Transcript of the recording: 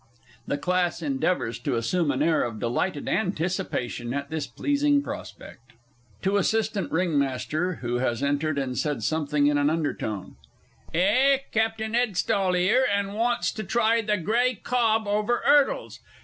(The Class endeavours to assume an air of delighted anticipation at this pleasing prospect.) To Assistant R. M., (who has entered and said something in an undertone.) Eh, Captin' 'Edstall here, and wants to try the grey cob over 'urdles?